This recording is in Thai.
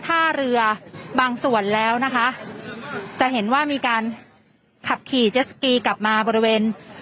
ท่าเรือบางส่วนแล้วนะคะจะเห็นว่ามีการขับขี่เจสสกีกลับมาบริเวณ